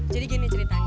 jadi gini ceritanya